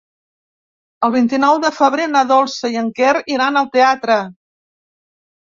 El vint-i-nou de febrer na Dolça i en Quer iran al teatre.